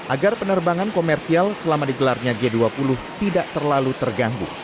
agar penerbangan komersial selama digelarnya g dua puluh tidak terlalu terganggu